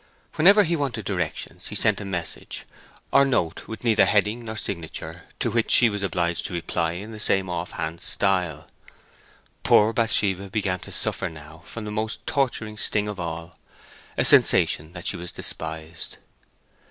Whenever he wanted directions he sent a message, or note with neither heading nor signature, to which she was obliged to reply in the same offhand style. Poor Bathsheba began to suffer now from the most torturing sting of all—a sensation that she was despised.